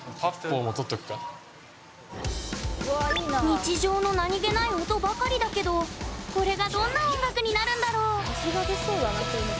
日常の何気ない音ばかりだけどこれがどんな音楽になるんだろう？